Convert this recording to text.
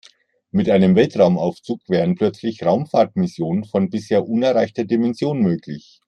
Mit einem Weltraumaufzug wären plötzlich Raumfahrtmissionen von bisher unerreichter Dimension möglich.